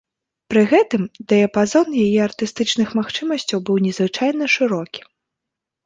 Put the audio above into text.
Пры гэтым, дыяпазон яе артыстычных магчымасцяў быў незвычайна шырокі.